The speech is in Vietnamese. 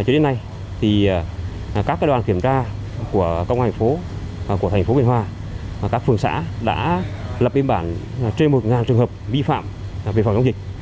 các đoàn kiểm tra của công an thành phố của thành phố yên hòa các phường xã đã lập biên bản trên một trường hợp vi phạm về phòng chống dịch